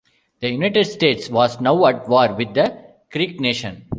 The United States was now at war with the Creek Nation.